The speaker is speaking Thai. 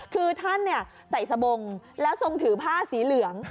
คือท่านใส่สบงแล้วทรงถือผ้าสีเหลือง